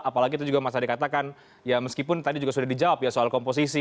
apalagi itu juga masa dikatakan ya meskipun tadi juga sudah dijawab ya soal komposisi